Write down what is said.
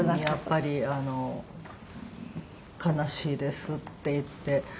やっぱり「悲しいです」って言って。